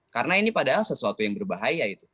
karena ini padahal sesuatu yang berbahaya itu